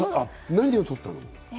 何を取ったの？